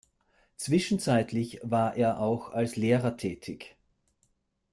Zwischenzeitlich war er auch als Lehrer tätig.